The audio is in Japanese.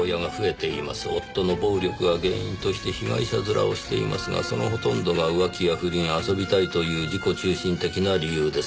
「夫の暴力が原因として被害者面をしていますがそのほとんどが浮気や不倫遊びたいという自己中心的な理由です」